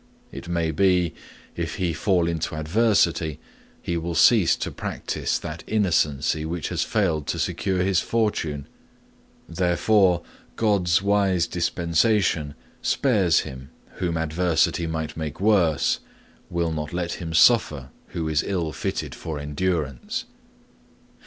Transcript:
It may be, if he fall into adversity, he will cease to practise that innocency which has failed to secure his fortune. Therefore, God's wise dispensation spares him whom adversity might make worse, will not let him suffer who is ill fitted for endurance.